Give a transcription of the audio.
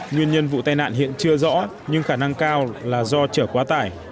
nguyên nhân vụ tai nạn hiện chưa rõ nhưng khả năng cao là do trở quá tải